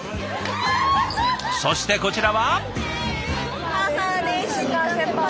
そしてこちらは。